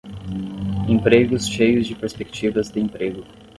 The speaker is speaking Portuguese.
Empregos cheios de perspectivas de emprego